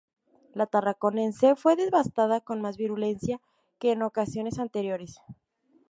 La Tarraconense fue devastada con más virulencia que en ocasiones anteriores.